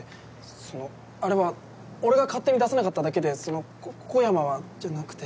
そのあれは俺が勝手に出さなかっただけでその小山はじゃなくて。